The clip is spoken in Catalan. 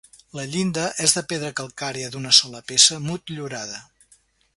La llinda és de pedra calcària d'una sola peça, motllurada.